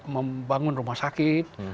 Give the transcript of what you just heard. membangun rumah sakit